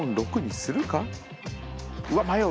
うわ迷う。